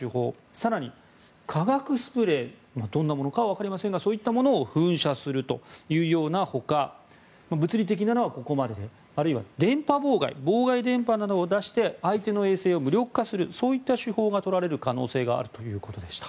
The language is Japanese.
更に、化学スプレーどんなものかわかりませんがそういったものを噴射するというようなほか物理的なのはここまでであるいは電波妨害妨害電波などを出して相手の衛星を無力化するそういった手法が取られる可能性があるということでした。